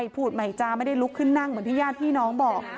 พูดใหม่จาไม่ได้ลุกขึ้นนั่งเหมือนที่ญาติพี่น้องบอก